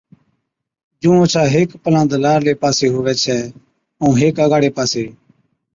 جُون اوڇا ھيڪ پَلاند لارلي پاسي ھُوي ڇَي ائُون ھيڪ اَگاڙي پاسي